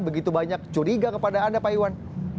begitu banyak curiga kepada anda pak iwan